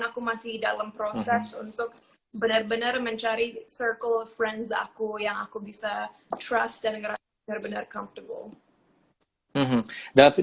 aku masih dalam proses untuk bener bener mencari circle friends aku yang aku bisa trust dan ngerasa bener bener comfortable